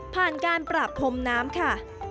ผ่านการปราบพรมน้ำค่ะ